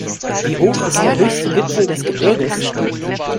Wie hoch ist der höchste Gipfel des Gebirges?